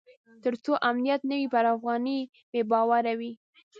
تر څو امنیت نه وي پر افغانۍ بې باوري وي.